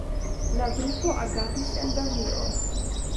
La grupo agadis en Danio.